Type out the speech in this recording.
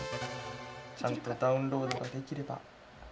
ちゃんとダウンロードができれば。